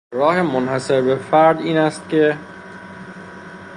راه منحصر به فرد اینست که...